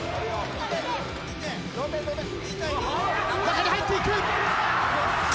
中に入っていく！